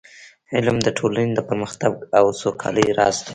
علم د ټولنې د پرمختګ او سوکالۍ راز دی.